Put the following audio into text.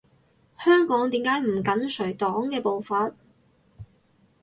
香港點解唔緊隨黨嘅步伐？